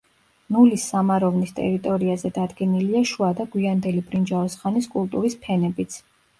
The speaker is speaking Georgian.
ნულის სამაროვნის ტერიტორიაზე დადგენილია შუა და გვიანდელი ბრინჯაოს ხანის კულტურის ფენებიც.